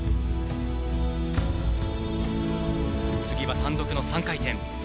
次は単独の３回転。